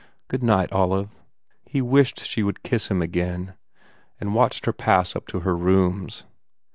Good night, Olive." He wished she would kiss him again and watched her pass up to her rooms.